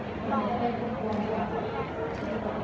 พี่แม่ที่เว้นได้รับความรู้สึกมากกว่า